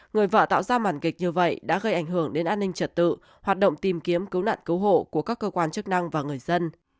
người vợ tạo ra màn kịch như vậy đã gây ảnh hưởng đến an ninh trật tự hoạt động tìm kiếm cứu nạn cứu hộ của các cơ quan chức năng và người dân